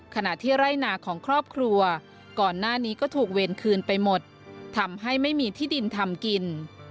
ขณะที่ไร่นาของครอบครัวก่อนหน้านี้ก็ถูกเวรคืนไปหมดทำให้ไม่มีที่ดินทำกิน